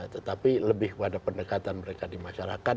tetapi lebih kepada pendekatan mereka di masyarakat